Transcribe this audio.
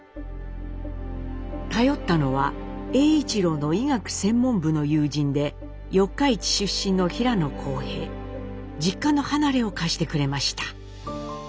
頼ったのは栄一郎の医学専門部の友人で四日市出身の平野康平。実家の離れを貸してくれました。